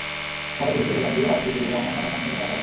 পরে পুলিশের রেকার দিয়ে বাসটি সরিয়ে রমনা থানার সামনে এনে রাখা হয়।